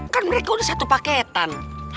kan mereka udah satu paketan